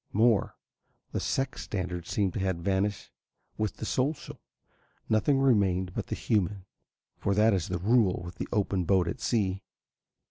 More, the sex standard seemed to have vanished with the social. Nothing remained but the human, for that is the rule with the open boat at sea.